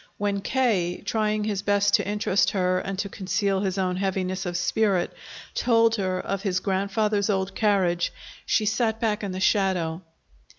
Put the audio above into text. When K., trying his best to interest her and to conceal his own heaviness of spirit, told her of his grandfather's old carriage, she sat back in the shadow.